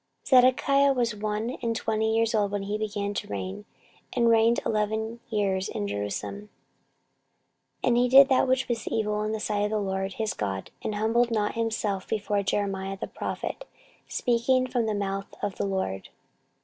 14:036:011 Zedekiah was one and twenty years old when he began to reign, and reigned eleven years in Jerusalem. 14:036:012 And he did that which was evil in the sight of the LORD his God, and humbled not himself before Jeremiah the prophet speaking from the mouth of the LORD.